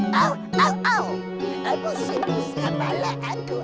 pusing pusing kepala aku